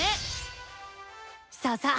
そうそう。